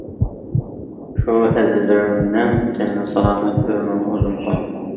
شۇ ئەزىزلىرىمنىڭ تېنىنى سالامەت، ئۆمرىنى ئۇزۇن قىلغىن!